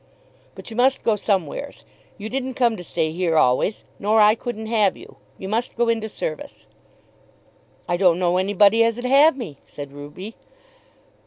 "But you must go somewheres. You didn't come to stay here always, nor I couldn't have you. You must go into service." "I don't know anybody as 'd have me," said Ruby.